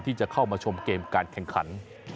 ที่จะเข้ามาชมเกมการแข่งขัน